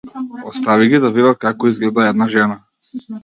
Остави ги да видат како изгледа една жена.